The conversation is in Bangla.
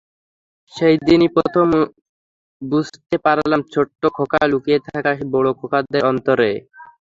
সেদিনই প্রথম বুঝতে পারলাম ছোট্ট খোকা লুকিয়ে থাকে বুড়ো খোকাদের অন্তরে।